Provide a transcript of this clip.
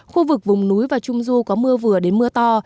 khu vực vùng núi và trung du có mưa vừa đến mưa to